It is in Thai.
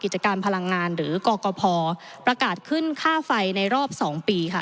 กิจกรรมพลังงานหรือกอกคทองปรากฏขึ้นค่าไฟในรอบสองปีค่ะ